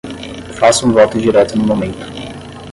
Faça um voto direto no momento